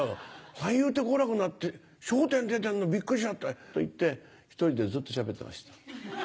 三遊亭好楽になって『笑点』出てんのびっくりしちゃった」と言って１人でずっと喋ってました。